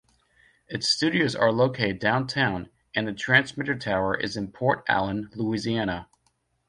Its studios are located downtown and the transmitter tower is in Port Allen, Louisiana.